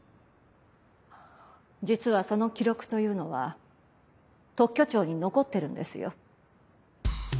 実はその記録というのは特許庁に残ってるんですよ。